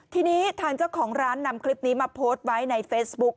ทีนี้ทางเจ้าของร้านนำคลิปนี้มาโพสต์ไว้ในเฟซบุ๊ค